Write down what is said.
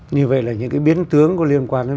như vậy là những cái biến tướng có liên quan đến